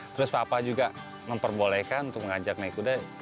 terus papa juga memperbolehkan untuk mengajak naik kuda